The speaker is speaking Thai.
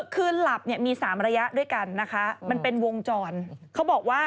คือหลับเนี่ยมี๓ระยะด้วยกันนะคะมันเป็นวงจรเขาบอกว่า